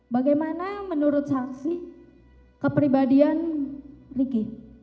bagaimana menurut saksi kepribadian riki